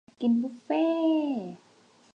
อยากกินบุฟเฟ่